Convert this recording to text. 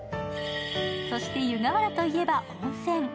そして湯河原といえば温泉。